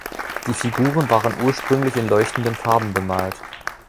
Die Figuren waren ursprünglich in leuchtenden Farben bemalt.